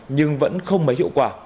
nhưng vẫn không mấy hiệu quả